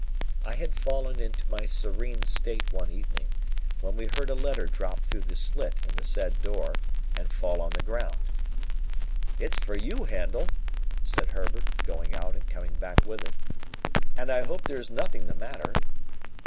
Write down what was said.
I had fallen into my serene state one evening, when we heard a letter dropped through the slit in the said door, and fall on the ground. "It's for you, Handel," said Herbert, going out and coming back with it, "and I hope there is nothing the matter."